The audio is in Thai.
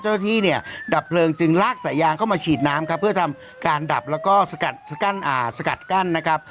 เจ้าหน้าที่เนี่ยดับเพลิงจึงลากสายยางเข้ามาฉีดน้ำครับเพื่อทำการดับแล้วก็สกัดสกัดกั้นนะครับ